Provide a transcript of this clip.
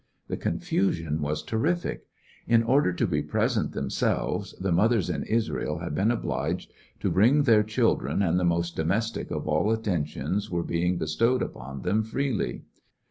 The confusion was terrific. In order to be present themselves, the mothers in Israel had been obliged to bring their children, and the most domestic of at tentions were being bestowed upon them freely.